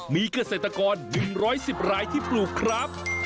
มีเกษตรกร๑๑๐รายที่ปลูกครับ